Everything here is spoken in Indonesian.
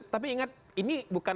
tapi ingat ini bukan